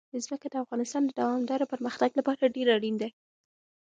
ځمکه د افغانستان د دوامداره پرمختګ لپاره ډېر اړین دي.